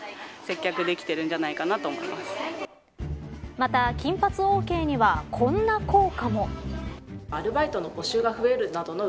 また金髪オーケーにはこんな効果も。